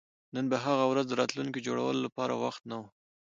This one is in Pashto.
نو په هغه ورځ د راتلونکي جوړولو لپاره وخت نه و